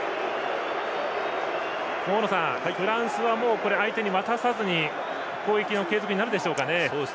大野さん、フランスは相手に渡さずに攻撃の継続になるでしょうかね。